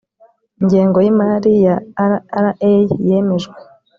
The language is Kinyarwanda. ingengo y imari ya rra yemejwe